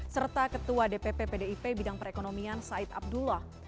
serta ketua dpp pdip bidang perekonomian said abdullah